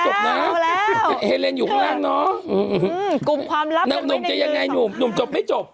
จะยังไงหนุ่มหนุ่มจบไม่จบ